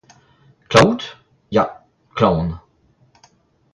Klañv out ? Ya klañv on.